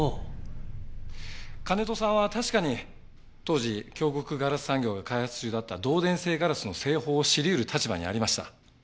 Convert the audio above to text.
金戸さんは確かに当時京極硝子産業が開発中だった導電性ガラスの製法を知り得る立場にありました。